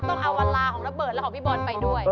ต้องเอาวันลาของระเบิดและของพี่บอลไปด้วย